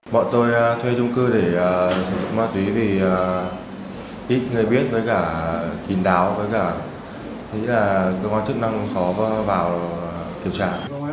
bọn tôi thuê chung cư để sử dụng ma túy vì ít người biết với cả kín đáo với cả thế là cơ quan chức năng khó vào kiểm tra